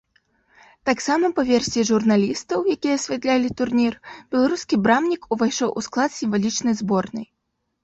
Таксама, па версіі журналістаў, якія асвятлялі турнір, беларускі брамнік увайшоў у склад сімвалічнай зборнай.